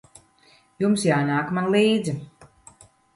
Jums jānāk man līdzi.